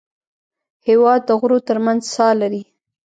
هېواد د غرو تر منځ ساه لري.